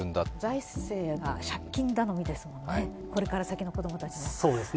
財政が借金頼みですもんね、これから先の子供たちに。